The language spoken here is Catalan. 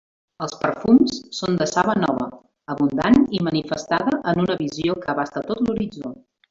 Els perfums són de saba nova, abundant i manifestada en una visió que abasta tot l'horitzó.